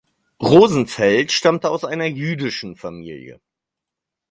Rosenfeld stammte aus einer jüdischen Familie.